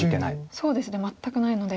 そうですね全くないので。